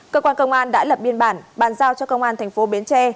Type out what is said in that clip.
cơ quan công an đã lập biên bản bàn giao cho công an thành phố bến tre